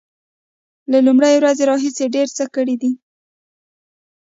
له لومړۍ ورځې راهیسې ډیر څه کړي دي